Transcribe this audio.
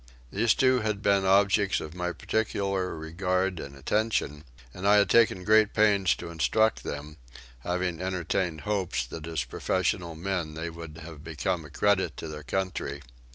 These two had been objects of my particular regard and attention, and I had taken great pains to instruct them, having entertained hopes that as professional men they would have become a credit to their country.